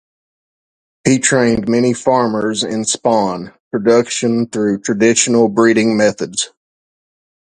He trained many farmers in spawn production through traditional breeding methods.